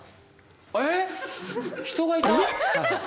えっ⁉人がいた。